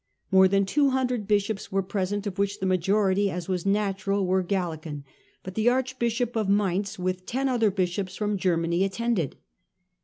More than two hundred bishops were present, of whom the majority, as was natural, were Gallican, but the archbishop of Mainz, with ten other bishops from Germany, attended.